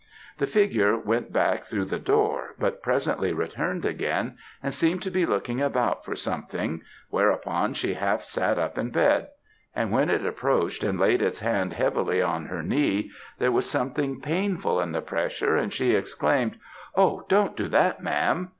The figure went back through the door, but presently returned again, and seemed to be looking about for something, whereupon she half sat up in bed; when it approached, and laid its hand heavily on her knee, there was something painful in the pressure, and she exclaimed, 'Oh, don't do that ma'am!'